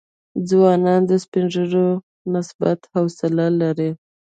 ځوانان د سپین ږیرو نسبت حوصله لري.